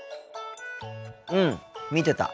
うん見てた。